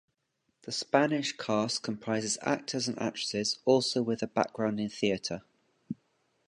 The Spanish cast comprises actors and actresses also with a background in theater.